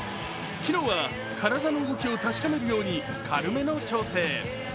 昨日は体の動きを確かめるように軽めの調整。